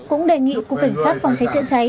cũng đề nghị cục cảnh sát phòng cháy chữa cháy